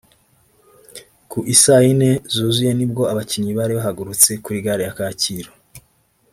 Ku i saa yine zuzuye ni bwo abakinnyi bari bahagurutse kuri gare ya Kacyiru